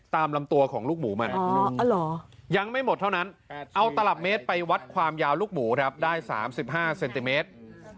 ลำตัวของลูกหมูมันยังไม่หมดเท่านั้นเอาตลับเมตรไปวัดความยาวลูกหมูครับได้๓๕เซนติเมตร